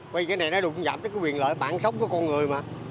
vậy cái này nó đụng nhạc tới cái quyền lợi bản sốc của con người mà